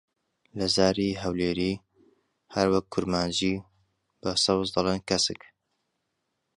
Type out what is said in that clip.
لە زاری هەولێری، هەروەک کورمانجی، بە سەوز دەڵێن کەسک.